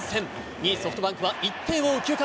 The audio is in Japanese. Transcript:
２位ソフトバンクは１点を追う９回。